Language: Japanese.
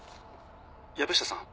藪下さん。